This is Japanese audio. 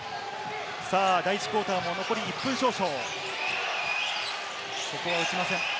第１クオーター、残り１分少々。